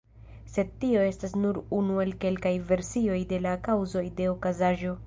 Sed tio estas nur unu el kelkaj versioj de la kaŭzoj de okazaĵo.